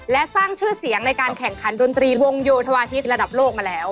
และสร้างชื่อเสียงในการแข่งขันดนตรีวงโยธวาฮิตระดับโลกมาแล้ว